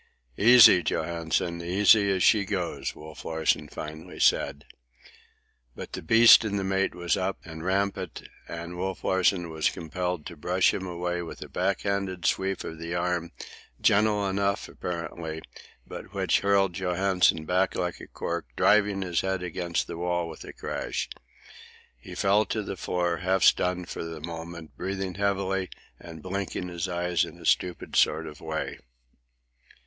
"Easy, Johansen; easy as she goes," Wolf Larsen finally said. But the beast in the mate was up and rampant, and Wolf Larsen was compelled to brush him away with a back handed sweep of the arm, gentle enough, apparently, but which hurled Johansen back like a cork, driving his head against the wall with a crash. He fell to the floor, half stunned for the moment, breathing heavily and blinking his eyes in a stupid sort of way.